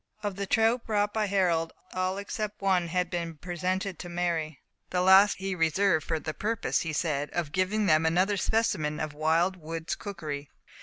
Of the trout brought by Harold, all except one had been cleaned, and presented to Mary; the last he reserved for the purpose, he said, of giving them another specimen of wild woods' cookery.